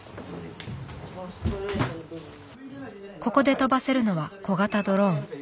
ここで飛ばせるのは小型ドローン。